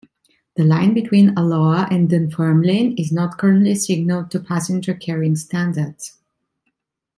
The line between Alloa and Dunfermline is not currently signalled to passenger carrying standards.